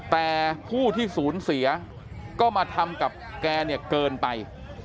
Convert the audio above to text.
แต่ผู้ที่สูญเสียก็มาทำกับแกเนี่ยเกินไป